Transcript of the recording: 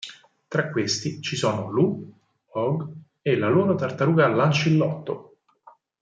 Tra questi ci sono Lu, Og e la loro tartaruga Lancillotto.